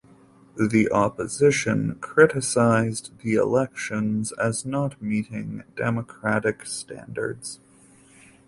The opposition criticized the elections as not meeting democratic standards.